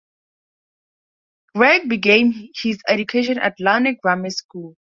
Gregg began his education at Larne Grammar School.